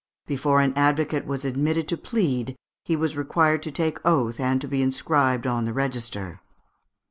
Before an advocate was admitted to plead he was required to take oath and to be inscribed on the register.